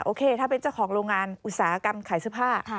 ถ้าเป็นเจ้าของโรงงานอุตสาหกรรมขายเสื้อผ้า